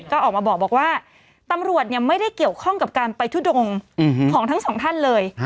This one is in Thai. ก็ออกมาบอกว่าตำรวจไม่ได้เกี่ยวข้องกับการไปทุดงของทั้งสองท่านเลย